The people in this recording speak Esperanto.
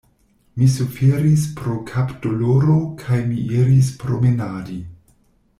Mi suferis pro kapdoloro, kaj mi iris promenadi.